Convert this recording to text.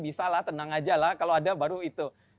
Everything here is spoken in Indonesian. bisa lah tenang aja lah kalau ada baru itu